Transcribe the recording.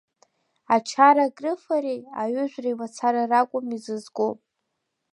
Ачара акрыфареи аҩыжәреи мацара ракәым изызку.